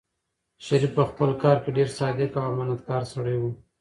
شریف په خپل کار کې ډېر صادق او امانتکار سړی و.